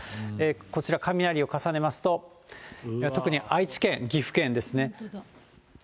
こちら、雷を重ねますと、特に愛知県、岐阜県ですね。